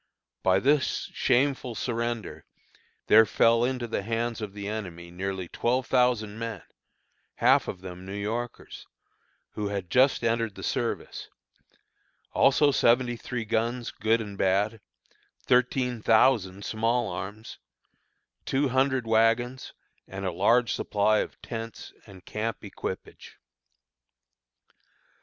By this shameful surrender there fell into the hands of the enemy nearly twelve thousand men, half of them New Yorkers, who had just entered the service; also seventy three guns good and bad; thirteen thousand small arms; two hundred wagons, and a large supply of tents and camp equipage.